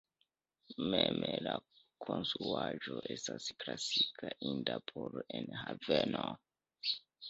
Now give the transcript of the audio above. Mem la konstruaĵo estas klasika, inda por la enhavo.